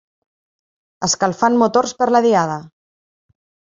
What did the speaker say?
Escalfant motors per la Diada!